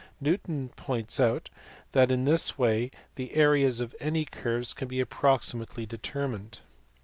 Newton points out that in this way the areas of any curves can be approximately determined.